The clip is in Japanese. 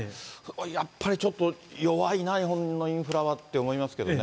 やっぱりちょっと弱いな、日本のインフラはと思いますけどね。